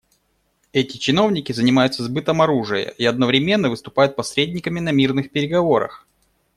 Эти чиновники занимаются сбытом оружия и одновременно выступают посредниками на мирных переговорах.